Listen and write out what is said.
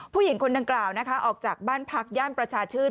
ผู้หญิงคนดังกล่าวนะคะออกจากบ้านพักย่านประชาชื่น